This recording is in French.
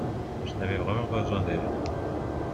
Je n’avais pas vraiment besoin d’elle.